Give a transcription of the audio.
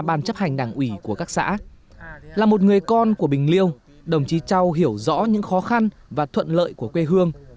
bản thân mình là một người con của bình liêu đồng chí châu hiểu rõ những khó khăn và thuận lợi của quê hương